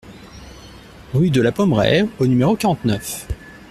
Rue de la Pommerais au numéro quarante-neuf